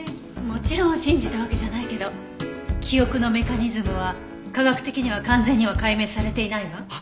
もちろん信じたわけじゃないけど記憶のメカニズムは科学的には完全には解明されていないわ。